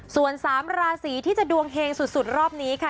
ส่วน๓ราศีที่จะดวงเฮงสุดรอบนี้ค่ะ